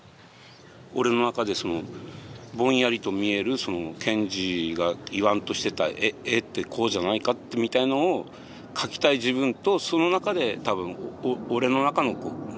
俺の中でぼんやりと見える賢治が言わんとしてた絵ってこうじゃないかってみたいのを描きたい自分とその中で多分俺の中の何かが一緒に現れてくるんです。